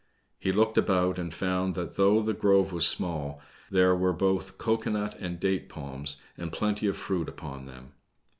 He looked about and found that though the grove was small, there were both cocoa nut and date palms, and plenty of fruit upon them.